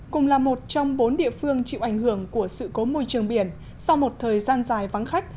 cùng là một trong bốn địa phương chịu ảnh hưởng của sự cố môi trường biển sau một thời gian dài vắng khách